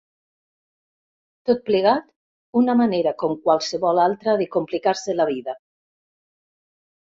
Tot plegat, una manera com qualsevol altra de complicar-se la vida.